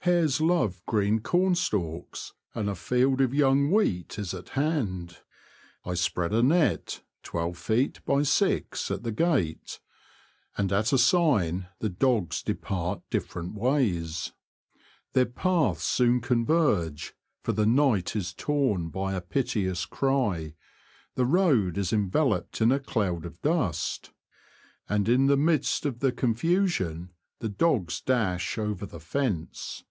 Hares love green cornstalks, and a field of young wheat is at hand ; I spread a net, twelve feet by six, at the gate, and at a sign the dogs depart different ways. Their paths soon con verge, for the night is torn by a piteous cry ; the road is enveloped in a cloud of dust ; and in the midst of the confusion the dogs dash over the fence.